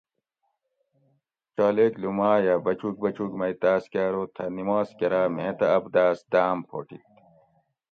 چالیک لُومائ اۤ بچُوگ بچُوگ مئ تاۤس کہ ارو تھہ نماز کراۤ میں تہ ابداۤس دام پھوٹِت